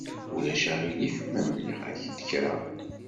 Ulac aɣilif ma mliɣ-ak-d kra?